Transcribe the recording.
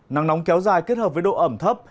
nắng nóng kéo dài kết hợp với độ ẩm thấp